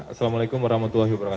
assalamualaikum wr wb